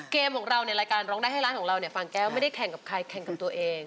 เกมของเราในรายการร้องได้ให้ร้านของเราเนี่ยฟางแก้วไม่ได้แข่งกับใครแข่งกับตัวเอง